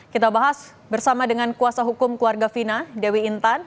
kita bahas bersama dengan kuasa hukum keluarga fina dewi intan